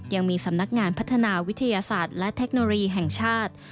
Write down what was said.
ยังมีสำนักงานพัฒนาวิทยาศาสตร์และเทคโนโลยีแห่งชาติ